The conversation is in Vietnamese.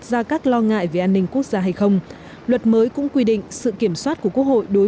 ra các lo ngại về an ninh quốc gia hay không luật mới cũng quy định sự kiểm soát của quốc hội đối